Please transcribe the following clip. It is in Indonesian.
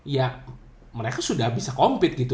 ya mereka sudah bisa compete gitu